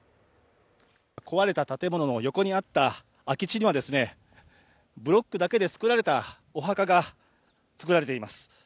壊れた建物の横にあった空き地にはですね、ブロックだけで作られたお墓が作られています。